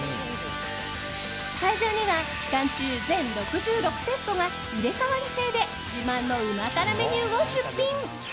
会場には、期間中全６６店舗が入れ替わり制で自慢の旨辛メニューを出品。